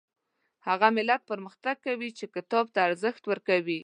هغه ملت پرمختګ کوي چې کتاب ته ارزښت ورکوي